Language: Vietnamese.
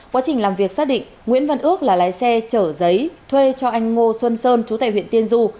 quá trình làm việc xác định nguyễn văn ước là lái xe chở giấy thuê cho anh ngô xuân sơn chú tài huyện tiên du